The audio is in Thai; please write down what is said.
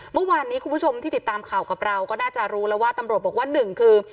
เมื่อวานนี้คุณผู้ชมที่ติดตามข่าวกับเราก็น่าจะรู้แล้วว่าตำรวจบอกว่าหนึ่งคือ